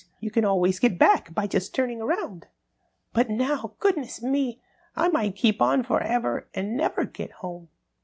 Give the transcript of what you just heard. You can always get back by just turning around. But now, goodness me! I might keep on for ever and never get home."